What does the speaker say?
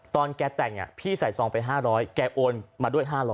ตอนแกแต่งพี่ใส่ซองไป๕๐๐แกโอนมาด้วย๕๐๐